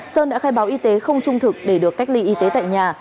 sơn đã khai báo y tế không trung thực để được cách ly y tế tại nhà